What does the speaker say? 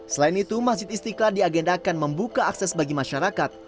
selain itu masjid istiqlal diagendakan membuka akses bagi masyarakat